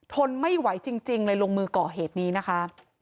ทนไม่ไหวจริงเลยลงมือก่อเหตุนี้นะคะ